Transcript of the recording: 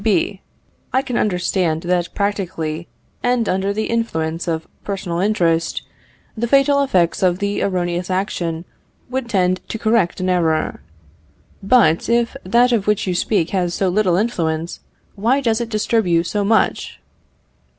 B. I can understand, that practically, and under the influence of personal interest, the fatal effects of the erroneous action would tend to correct an error. But if that of which you speak has so little influence, why does it disturb you so much?